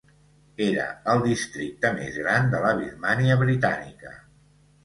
Era el districte més gran de la Birmània britànica.